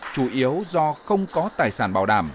chủ yếu do không có tài sản bảo đảm